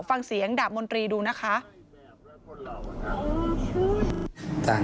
ฟังเสียงดาบมนตรีดูนะคะ